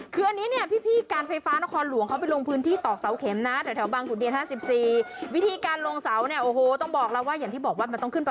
คืออันนี้พี่การไฟฟ้านรคอลหลวง